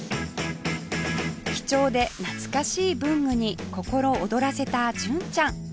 貴重で懐かしい文具に心躍らせた純ちゃん